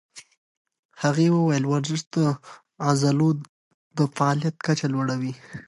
هغې وویل ورزش د عضلو د فعالیت کچه لوړوي.